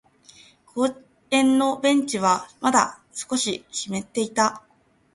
公園のベンチはまだ少し湿っていた。